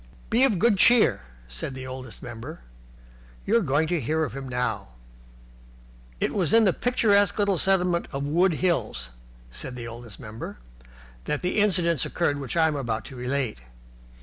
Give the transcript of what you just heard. "Be of good cheer," said the Oldest Member. "You are going to hear of him now." It was in the picturesque little settlement of Wood Hills (said the Oldest Member) that the incidents occurred which I am about to relate.